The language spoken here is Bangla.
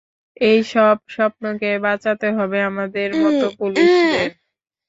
এই সব সপ্নকে বাচাতে হবে, আমাদের মতো পুলিশদের।